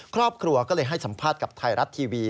ครอบครัวก็เลยให้สัมภาษณ์กับไทยรัฐทีวี